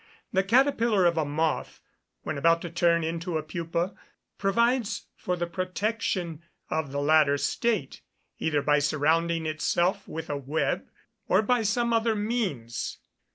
The caterpillar of a moth, when about to turn into a pupa, provides for the protection of the latter state, either by surrounding itself with a web, or by some other means.